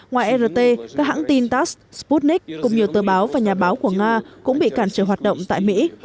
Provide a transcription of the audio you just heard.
ngoài rt các hãng tin tass sputnik cùng nhiều tờ báo và nhà báo của nga cũng bị cản trở hoạt động tại mỹ